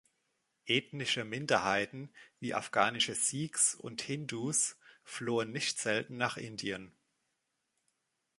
Ethnische Minderheiten, wie afghanische Sikhs und Hindus, flohen nicht selten nach Indien.